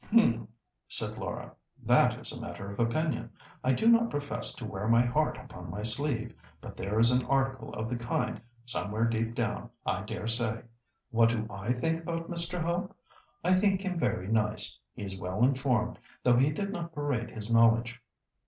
"H'm," said Laura, "that is a matter of opinion. I do not profess to wear my heart upon my sleeve, but there is an article of the kind somewhere deep down, I daresay. What do I think about Mr. Hope? I think him very nice. He is well informed, though he did not parade his knowledge.